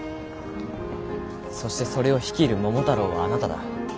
そしてそれを率いる桃太郎はあなただ。